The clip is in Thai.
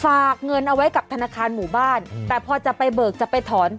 ฝากเงินเอาไว้กับธนาคารหมู่บ้านแต่พอจะไปเบิกจะไปถอน